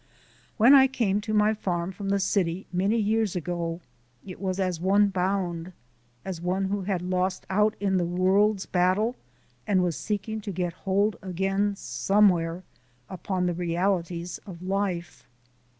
When I came to my farm from the city many years ago it was as one bound, as one who had lost out in the World's battle and was seeking to get hold again somewhere upon the realities of life.